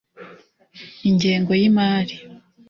Ingengo y ‘imari .